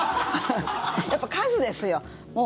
やっぱり数ですよ。